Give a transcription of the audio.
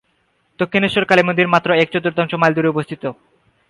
দক্ষিণেশ্বর কালী মন্দির মাত্র এক চতুর্থাংশ মাইল দূরে অবস্থিত।